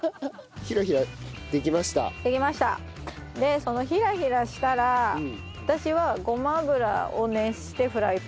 そのひらひらしたら私はごま油を熱してフライパンで。